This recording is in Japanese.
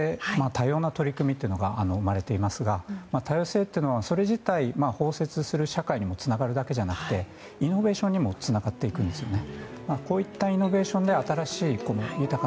多様な取り組みというのが生まれていますが多様性っていうのはそれ自体、包接する社会にもつながるだけじゃなくてイノベーションにもつながっていくんですよね。